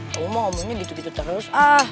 kamu ngomongnya gitu gitu terus